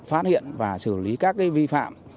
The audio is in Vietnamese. phát hiện và xử lý các vi phạm